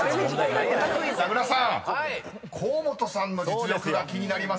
［名倉さん河本さんの実力が気になりますね］